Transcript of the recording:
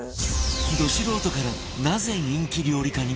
ド素人からなぜ人気料理家に？